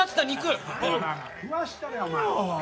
食わしたれやお前。